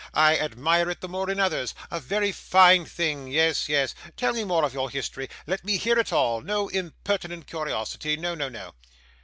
I admire it the more in others. A very fine thing. Yes, yes. Tell me more of your history. Let me hear it all. No impertinent curiosity no, no, no.